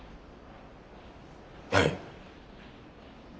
はい。